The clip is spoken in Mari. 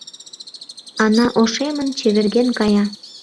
Ана ошемын, чеверген кая.